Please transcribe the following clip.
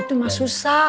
itu mah susah